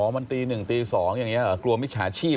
อ๋อมันตีหนึ่งตีสองอย่างนี้เหรอกลัวมิจฉาชีพ